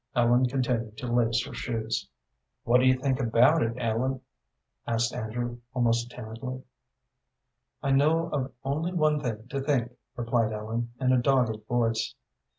Ellen continued to lace her shoes. "What do you think about it, Ellen?" asked Andrew, almost timidly. "I know of only one thing to think," replied Ellen, in a dogged voice.